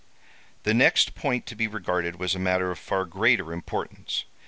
"The next point to be regarded was a matter of far greater importance.